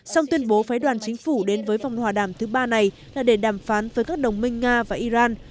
song tuyên bố phái đoàn chính phủ đến với vòng hòa đàm thứ ba này là để đàm phán với các đồng minh nga và iran